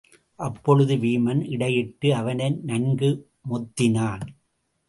அப்பொழுது வீமன் இடையிட்டு அவனை நன்கு மொத்தினான்.